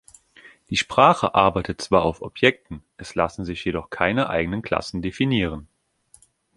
Die Sprache arbeitet zwar auf Objekten, es lassen sich jedoch keine eigenen Klassen definieren.